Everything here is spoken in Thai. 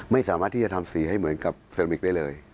ไม่สามารถที่จะทำสีให้เหมือนกับเซอร์มิกได้เลย